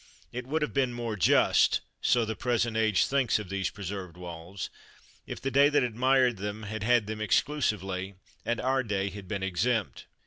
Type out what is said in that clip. It would have been more just so the present age thinks of these preserved walls if the day that admired them had had them exclusively, and our day had been exempt.